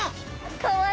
かわいい。